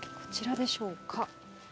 こちらでしょうか。